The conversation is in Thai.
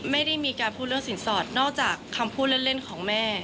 ไม่ได้มีการพูดเรื่องสินสอดนอกจากคำพูดเล่นของแม่